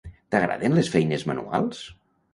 T'agraden les feines manuals?